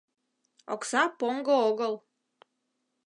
— Окса поҥго огыл!